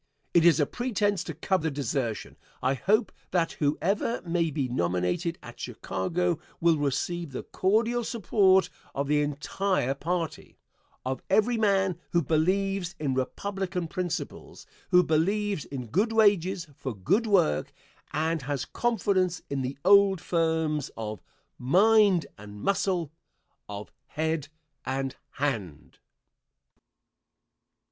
It is a pretence to cover desertion. I hope that whoever may be nominated at Chicago will receive the cordial support of the entire party, of every man who believes in Republican principles, who believes in good wages for good work, and has confidence in the old firms of "Mind and Muscle," of "Head and Hand."